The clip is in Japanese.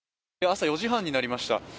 朝４時半になりました。